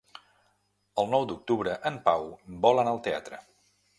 El nou d'octubre en Pau vol anar al teatre.